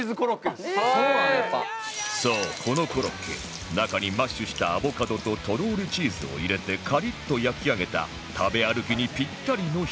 そうこのコロッケ中にマッシュしたアボカドととろーりチーズを入れてカリッと焼き上げた食べ歩きにピッタリのひと品